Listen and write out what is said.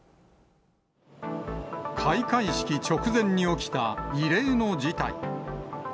開会式直前に起きた異例の事態。